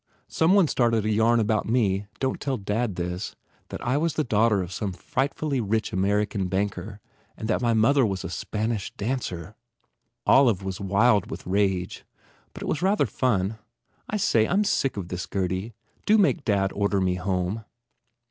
Some one started a yarn about me don t tell dad this that I was the daughter of some frightfully rich American banker and that my mother was a Spanish dancer. Olive was wild with rage. But it was rather fun. I say, I m sick of this, Gurdy. Do make dad order me home."